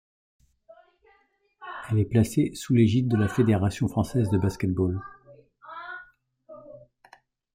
Elle est placée sous l'égide de la Fédération Française de Basket-Ball.